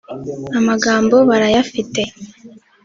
Amagambo barayafite